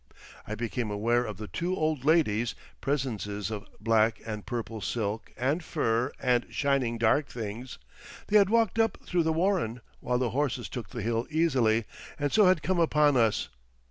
I became aware of the two old ladies, presences of black and purple silk and fur and shining dark things; they had walked up through the Warren, while the horses took the hill easily, and so had come upon us.